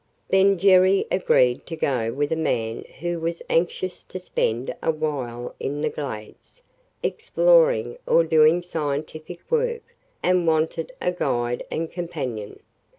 Then Jerry agreed to go with a man who was anxious to spend a while in the Glades, exploring or doing scientific work, and wanted a guide and companion.